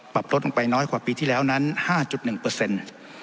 ปรับลดลงไปน้อยกว่าปีที่แล้วนั้นห้าจุดหนึ่งเปอร์เซ็นต์